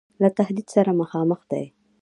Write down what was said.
له تهدید سره مخامخ دی.